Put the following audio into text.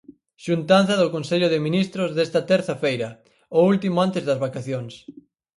Xuntanza do Consello de Ministros desta terza feira, o último antes das vacacións.